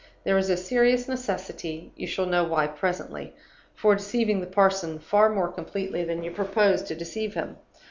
There is a serious necessity (you shall know why presently) for deceiving the parson far more completely than you propose to deceive him.